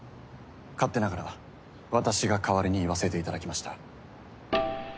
勝手ながら私が代わりに言わせていただきました。